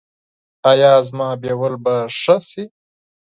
ایا زما بویول به ښه شي؟